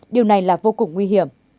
điều này là vô cùng nguy hiểm